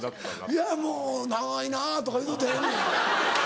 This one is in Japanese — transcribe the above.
いやもう「長いなぁ」とか言うとったらええねん。